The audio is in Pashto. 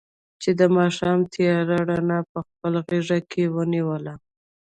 چې د ماښام تیارې رڼا په خپل غېږ کې ونیوله.